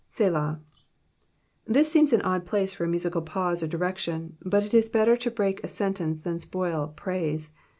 " Selah." This seems an odd place for a musical pause or direction, but it is better to break a sentence than spoil praise.